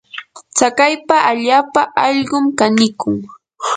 tsakaypa allaapa allqum kanikun.